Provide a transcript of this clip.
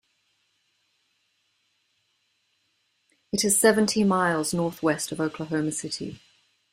It is seventy miles northwest of Oklahoma City.